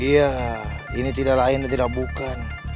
iya ini tidak lain dan tidak bukan